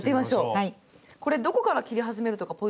これどこから切り始めるとかポイントあるんですか？